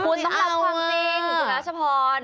คุณต้องรับความจริงคุณรัชพร